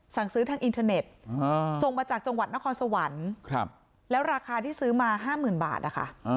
สั่งซื้อทางอินเทอร์เน็ตส่งมาจากจังหวัดนครสวรรค์แล้วราคาที่ซื้อมา๕๐๐๐บาทนะคะ